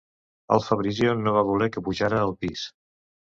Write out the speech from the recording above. El Fabrizio no va voler que pujara al pis.